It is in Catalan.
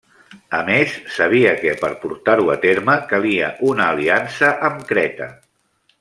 A més, sabia que, per portar-ho a terme, calia una aliança amb Creta.